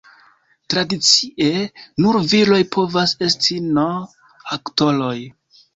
Tradicie, nur viroj povas esti no-aktoroj.